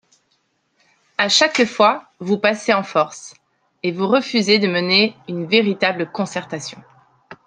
À chaque fois, vous passez en force, et vous refusez de mener une véritable concertation.